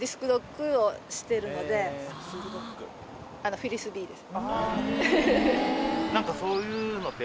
フリスビーです。